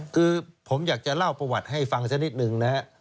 คือผมอยากจะเล่าประวัติให้ฟังสักนิดหนึ่ง